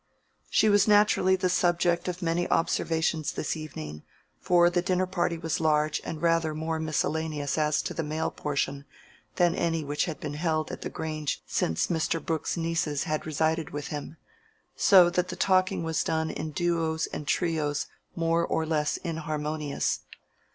She was naturally the subject of many observations this evening, for the dinner party was large and rather more miscellaneous as to the male portion than any which had been held at the Grange since Mr. Brooke's nieces had resided with him, so that the talking was done in duos and trios more or less inharmonious.